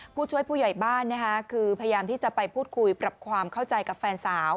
ผู้ช่วยผู้ใหญ่บ้านนะคะคือพยายามที่จะไปพูดคุยปรับความเข้าใจกับแฟนสาว